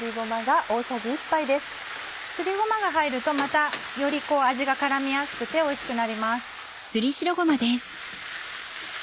すりごまが入るとまたより味が絡みやすくておいしくなります。